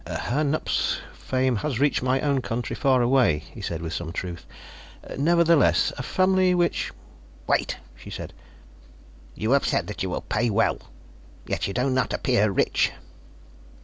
"Herr Knupf's fame has reached my own country, far away," he said with some truth. "Nevertheless, a family which " "Wait," she said. "You have said that you will pay well. Yet you do not appear rich."